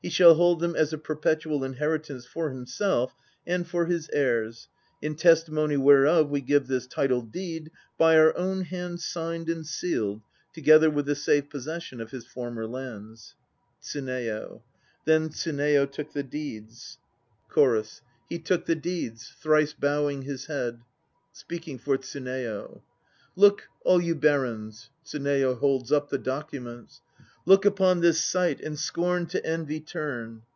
shall hold them as a perpetual inheritance for himself and for his : in testimony whereof we give this title deed, by our own hand signed and sealed, together with the safe possession of his former lands. TSUNEYO. Then Tsuneyo took the deeds. 112 THE NO PLAYS OF JAPAN CHORUS. He took the deeds, thrice bowing his head. (Speaking for TSUNEYO.) "Look, all you barons! (TSUNEYO holds up the documents.) Look upon this sight And scorn to envy turn!"